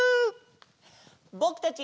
ぼくたち！